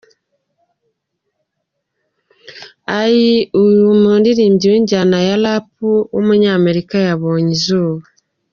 I, umuririmbyi w’injyana ya Rap w’umunyamerika yabonye izuba.